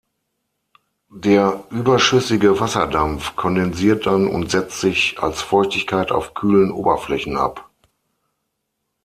Der überschüssige Wasserdampf kondensiert dann und setzt sich als Feuchtigkeit auf kühlen Oberflächen ab.